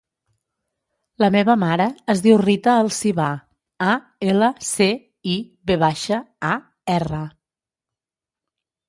La meva mare es diu Rita Alcivar: a, ela, ce, i, ve baixa, a, erra.